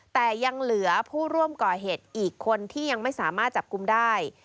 แต่ยังเหลือผู้ร่วมก่อเหตุอีกคนที่ยังไม่สามารถจับกลุ่มได้